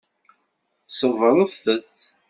Ṣebbṛet-t.